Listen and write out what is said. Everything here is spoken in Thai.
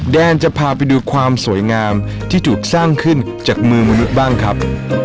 แดนจะพาไปดูความสวยงามที่ถูกสร้างขึ้นจากมือมนุษย์บ้างครับ